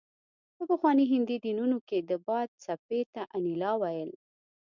په پخواني هندي دینونو کې د باد څپې ته انیلا ویل